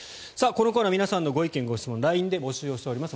このコーナー皆さんのご意見・ご質問をＬＩＮＥで募集しております。